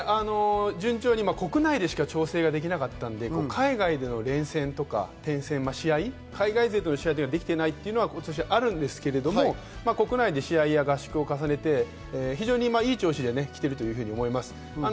順調に国内でしか調整ができなかったので海外での連戦、試合というのはできていないというのはあるんですが、国内で試合や合宿を重ねて非常に良い調子で来てると思います。